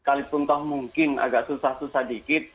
kalipun tahu mungkin agak susah susah dikit